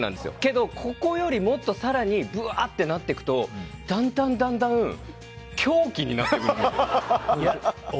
けど、ここよりも更にぶわーってなっていくとだんだん狂気になってくんですよ。